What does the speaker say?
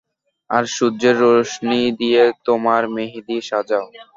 আর সূর্যের রশ্মি দিয়ে তোমার মেহেদি সাজাও।